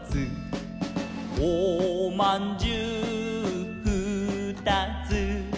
「おまんじゅうふーたつ」